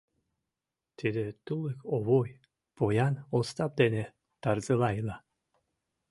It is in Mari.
...Тиде тулык Овой, поян Остап дене тарзыла ила,.